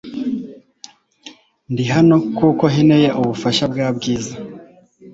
Ndi hano kuko nkeneye ubufasha bwa Bwiza .